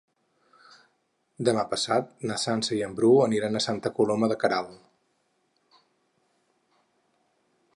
Demà passat na Sança i en Bru aniran a Santa Coloma de Queralt.